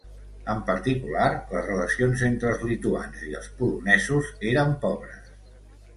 En particular, les relacions entre els lituans i els polonesos eren pobres.